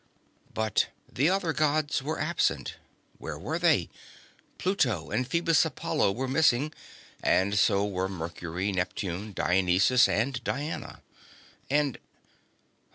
But the other Gods were absent. Where were they? Pluto and Phoebus Apollo were missing, and so were Mercury, Neptune, Dionysus and Diana. And